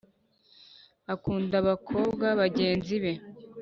Akunda abakobwa bagennzi be